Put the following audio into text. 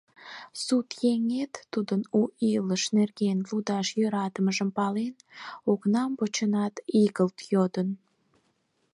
Сут еҥет, тудын у илыш нерген лудаш йӧратымыжым пален, окнам почынат, игылт йодын: